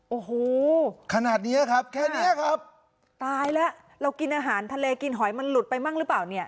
โอ้โหขนาดเนี้ยครับแค่เนี้ยครับตายแล้วเรากินอาหารทะเลกินหอยมันหลุดไปบ้างหรือเปล่าเนี่ย